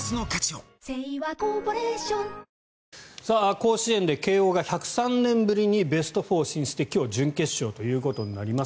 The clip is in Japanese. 甲子園で慶応が１０３年ぶりにベスト４進出で今日、準決勝となります。